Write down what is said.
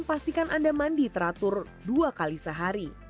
pastikan anda mandi teratur dua kali sehari